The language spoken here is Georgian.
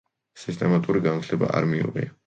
სისტემატური განათლება არ მიუღია.